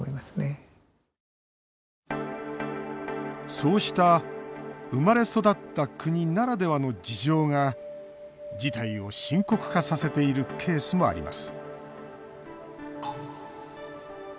そうした生まれ育った国ならではの事情が事態を深刻化させているケースもあります。